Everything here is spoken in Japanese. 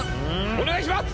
お願いします！